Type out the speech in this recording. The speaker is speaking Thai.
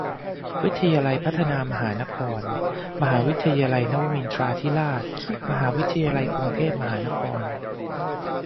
วิทยาลัยพัฒนามหานคร มหาวิทยาลัยนวมินทราธิราช มหาวิทยาลัยกรุงเทพมหานคร